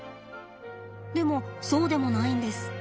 でもそうでもないんです。